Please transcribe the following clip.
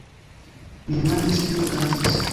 Mi demandis, kio okazis.